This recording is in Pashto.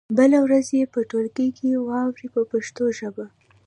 بله ورځ یې په ټولګي کې واورئ په پښتو ژبه.